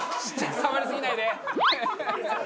触りすぎないで！